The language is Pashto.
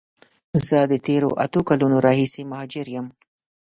زه د تیرو اته کالونو راهیسی مهاجر یم.